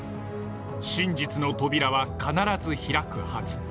真実の扉は必ず開くはず。